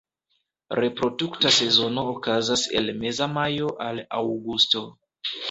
Reprodukta sezono okazas el meza majo al aŭgusto.